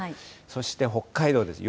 そして北海道です。